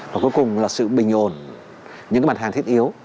và cuối cùng là sự bình ổn những cái mặt hàng thiết yếu